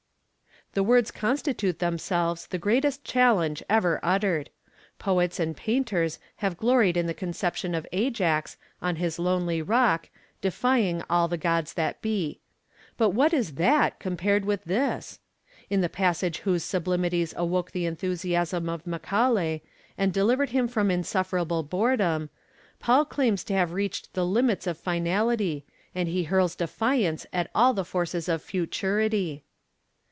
The words constitute themselves the greatest challenge ever uttered. Poets and painters have gloried in the conception of Ajax, on his lonely rock, defying all the gods that be. But what is that compared with this? In the passage whose sublimities awoke the enthusiasm of Macaulay, and delivered him from insufferable boredom, Paul claims to have reached the limits of finality, and he hurls defiance at all the forces of futurity.